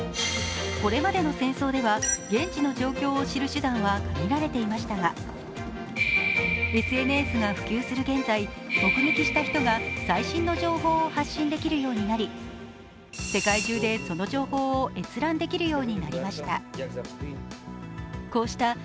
これまでの戦争では現地の状況を知る手段は限られていましたが、ＳＮＳが普及する現在、目撃した人が最新の情報を発信できるようになり世界中でその情報を閲覧できるようになりました。